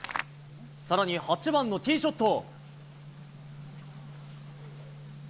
さらに８番のティーショット。